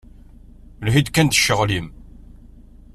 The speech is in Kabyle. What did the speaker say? Lhi-d kan d ccɣel-im.